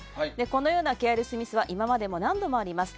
このようなケアレスミスは今までも何度もあります。